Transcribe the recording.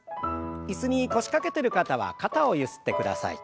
椅子に腰掛けてる方は肩をゆすってください。